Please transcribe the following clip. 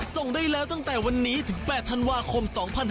ส่งได้แล้วตั้งแต่วันนี้ถึง๘ธันวาคม๒๕๕๙